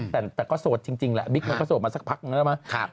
แต่ก็โสดจริงแหละบิ๊กก็โสดมาสักพักใช่ไหม